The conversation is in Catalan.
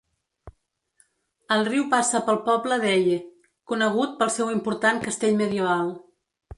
EL riu passa pel poble d'Eye, conegut pel seu important castell medieval.